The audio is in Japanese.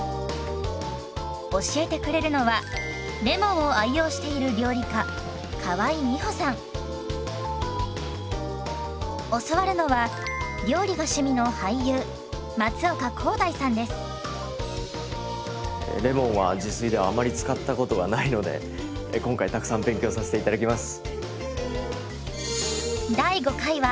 教えてくれるのはレモンを愛用している教わるのはレモンは自炊ではあまり使ったことがないので今回たくさん勉強させて頂きます！